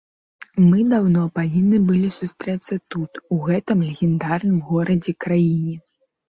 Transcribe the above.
Мы даўно павінны былі сустрэцца тут, у гэтым легендарным горадзе, краіне.